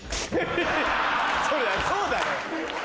そりゃそうだろ！